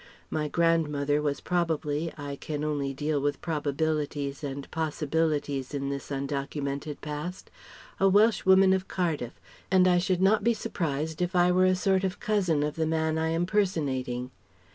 My grandmother was probably I can only deal with probabilities and possibilities in this undocumented past a Welsh woman of Cardiff, and I should not be surprised if I were a sort of cousin of the man I am personating.